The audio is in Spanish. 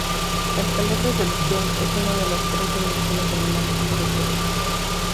El calor de solución es una de las tres dimensiones del análisis de solubilidad.